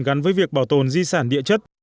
gắn với việc bảo tồn di sản địa chất